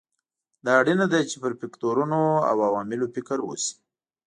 دا اړینه ده چې پر فکټورونو او عواملو فکر وشي.